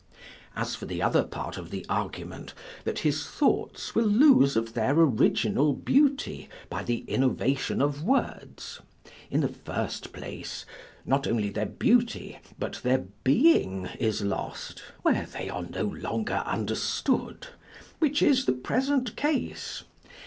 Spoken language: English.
As for the other part of the argument, that his thoughts will lose of their original beauty, by the innovation of words; in the first place, not only their beauty, but their being is lost, where they are no longer understood, which is the present case.